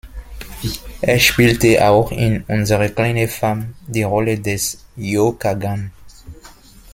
Er spielte auch in "Unsere kleine Farm" die Rolle des Joe Kagan.